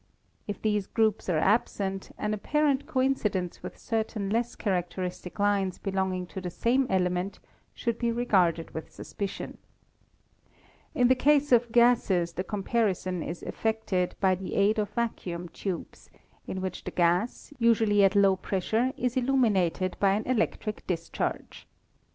If these groups are absent, an apparent co incidence with certain less characteristic lines belonging to the same element should be regarded with suspicion. In the case of gases, the comparison is effected by the aid of vacuum tubes, in which the gas, usually at low pressure, is illuminated by an electric discharge.